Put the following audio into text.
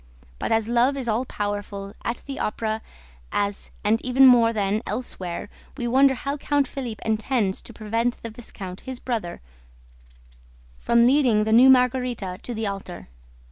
But, as love is all powerful, at the Opera as and even more than elsewhere, we wonder how Count Philippe intends to prevent the viscount, his brother, from leading the new Margarita to the altar.